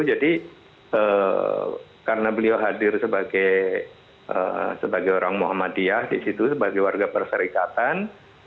jadi karena beliau hadir sebagai orang muhammadiyah di situ sebagai warga perserikatan